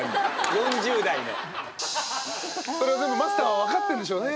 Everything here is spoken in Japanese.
それを全部マスターは分かってんでしょうね。